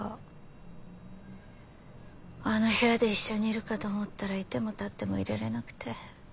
あの部屋で一緒にいるかと思ったら居ても立ってもいられなくて。